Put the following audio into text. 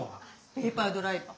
ペーパードライバー。